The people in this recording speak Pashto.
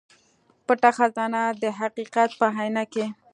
پټه خزانه د حقيقت په اينه کې